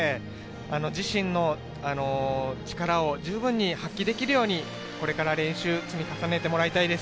自身の力を十分に発揮できるようにこれから練習を積み重ねてもらいたいです。